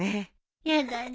やだね